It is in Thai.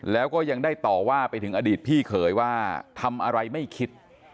แล้วก็ยังได้ต่อว่าไปถึงอดีตพี่เขยว่าทำอะไรไม่คิด